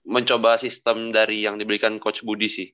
mencoba sistem dari yang diberikan coach budi sih